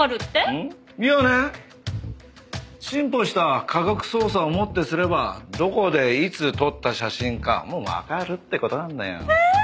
いやね進歩した科学捜査をもってすればどこでいつ撮った写真かもうわかるって事なんだよ。えっ！